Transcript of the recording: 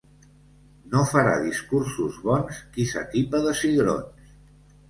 No farà discursos bons qui s'atipa de cigrons.